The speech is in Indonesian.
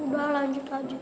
sudah kamu boleh duduk